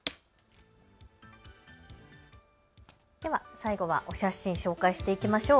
最後はお写真、紹介しましょう。